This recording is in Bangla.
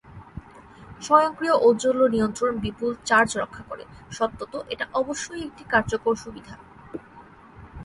স্বয়ংক্রিয় ঔজ্জ্বল্য নিয়ন্ত্রণ বিপুল চার্জ রক্ষা করেসত্যতা এটা অবশ্যই একটি কার্যকর সুবিধা।